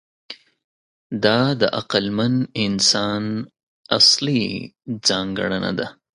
دا د عقلمن انسان اصلي ځانګړنه ده.